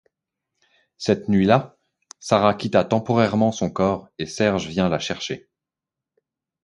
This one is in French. Cette nuit la, Sara quitta temporairement son corps et Serge vient la chercher.